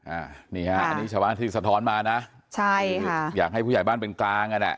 อันนี้ชาวอาทิตย์สะท้อนมานะอยากให้ผู้ใหญ่บ้านเป็นกลาง